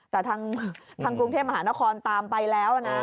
ครับโอ้โหแต่ทางกรุงเทพมหานครตามไปแล้วนะ